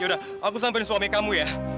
yaudah aku sampein suami kamu ya